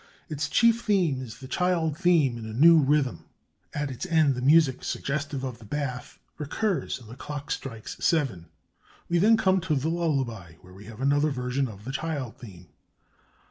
Its chief theme is the child theme in a new rhythm. At its end the music suggestive of the bath recurs, and the clock strikes seven. We then come to the lullaby, where we have another version of the child theme.